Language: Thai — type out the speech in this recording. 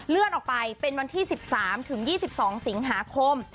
ออกไปเป็นวันที่๑๓ถึง๒๒สิงหาคม